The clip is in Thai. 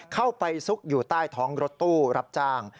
ซุกอยู่ใต้ท้องรถตู้รับจ้าง